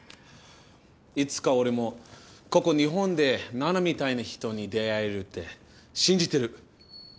いつか俺もここ日本でナナみたいな人に出会えるって信じてる！